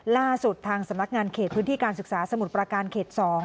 ล่าสุดทางสำนักงานเขตพื้นที่การศึกษาสมุทรประการเขต๒